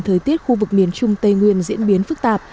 thời tiết khu vực miền trung tây nguyên diễn biến phức tạp